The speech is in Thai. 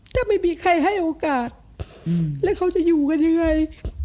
ถ้าไม่มีใครให้โอกาสแล้วเขาจะอยู่กันยังไง